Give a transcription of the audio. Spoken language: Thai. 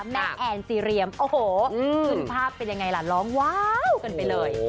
แอนซีเรียมโอ้โหขึ้นภาพเป็นยังไงล่ะร้องว้าวกันไปเลย